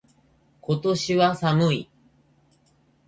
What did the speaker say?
今年は寒い。